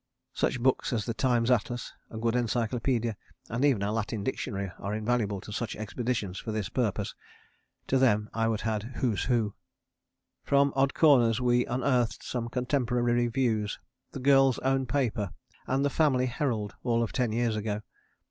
Such books as the Times Atlas, a good encyclopaedia and even a Latin Dictionary are invaluable to such expeditions for this purpose. To them I would add Who's Who. From odd corners we unearthed some Contemporary Reviews, the Girls' Own Paper and the Family Herald, all of ten years ago!